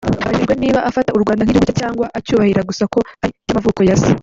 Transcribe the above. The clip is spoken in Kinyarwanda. Abajijwe niba afata u Rwanda nk’igihugu cye cyangwa acyubahira gusa ko ari icy’amavuko ya Se